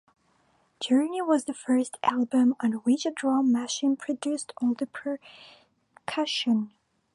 "Journey" was the first album on which a drum machine produced all the percussion.